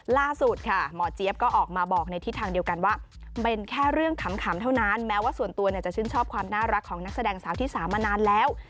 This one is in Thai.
ล่าสุดค่ะหมอเจี๊ยบก็ออกมาบอกในทิศทางเดียวกันว่าเป็นแค่เรื่องขำเท่านั้นแม้ว่าส่วนตัวจะชื่นชอบความน่ารักของนักแสดงสาวที่๓มานานแล้ว